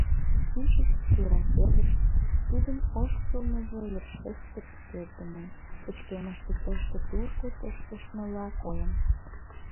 Кӱшыч, тура сер гыч, тудын ошкылмыжо йӧршеш тептердымын, пычкемыште тышке-тушко тошкыштмыла койын.